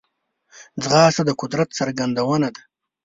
ځغاسته د قدرت څرګندونه ده